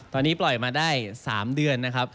ตอนนี้ปล่อยมาได้๓เดือนนะครับ